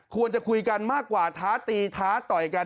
ควรจะคุยกันมากกว่าท้าตีท้าต่อยกัน